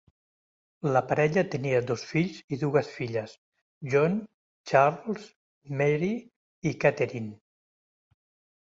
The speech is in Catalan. La parella tenia dos fills i dues filles: John, Charles, Mary i Catherine.